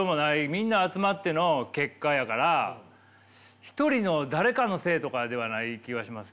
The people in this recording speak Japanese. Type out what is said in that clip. みんな集まっての結果やから一人の誰かのせいとかではない気はしますけど。